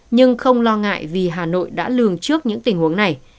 nhưng không lo ngại vì hà nội đã lường trước những tình huống này